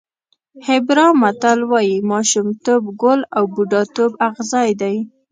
هېبرا متل وایي ماشومتوب ګل او بوډاتوب اغزی دی.